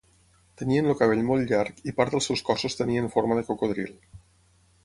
Tenien el cabell molt llarg, i part dels seus cossos tenien forma de cocodril.